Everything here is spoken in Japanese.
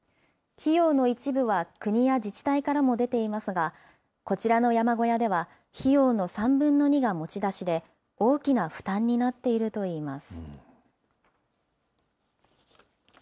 費用の一部は国や自治体からも出ていますが、こちらの山小屋では費用の３分の２が持ち出しで、大きな負担になっているといいます。